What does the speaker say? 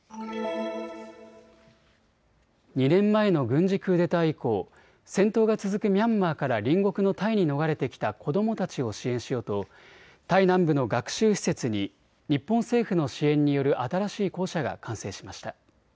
２年前の軍事クーデター以降、戦闘が続くミャンマーから隣国のタイに逃れてきた子どもたちを支援しようとタイ南部の学習施設に日本政府の支援による新しい校舎が完成しました。